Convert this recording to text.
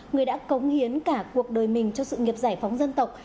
người đã cống hiến cả cuộc đời mình cho sự nghiệp giải phóng dân tộc